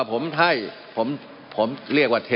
มันมีมาต่อเนื่องมีเหตุการณ์ที่ไม่เคยเกิดขึ้น